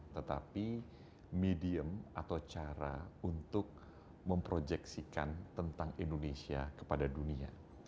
tetapi medium atau cara untuk memproyeksikan tentang indonesia kepada dunia